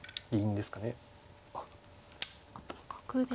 角ですか。